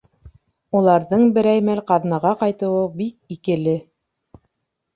Уларҙың берәй мәл ҡаҙнаға ҡайтыуы бик икеле...